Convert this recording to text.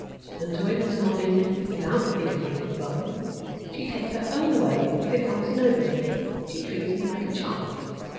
She went away this morning without bidding me good by. She takes her own way as if I was nobody; she treats me like a child.